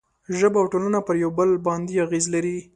ژبه او ټولنه پر یو بل باندې اغېز لري.